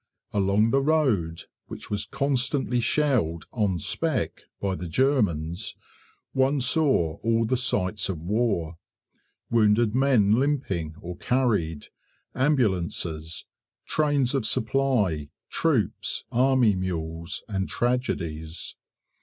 Along the road, which was constantly shelled "on spec" by the Germans, one saw all the sights of war: wounded men limping or carried, ambulances, trains of supply, troops, army mules, and tragedies.